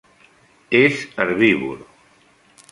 És herbívor.